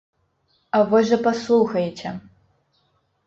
А вось жа паслухаеце.